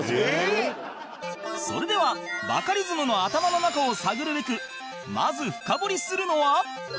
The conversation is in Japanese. それではバカリズムの頭の中を探るべくまず深掘りするのは